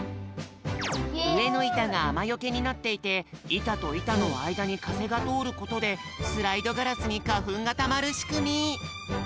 うえのいたがあまよけになっていていたといたのあいだにかぜがとおることでスライドガラスにかふんがたまるしくみ。